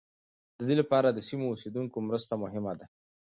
دې لپاره د سیمو اوسېدونکو مرسته مهمه ده.